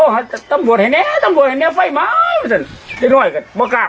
หน้านี้นี้นี้ดูเลือดใยว้างอยู่ตกแล้ว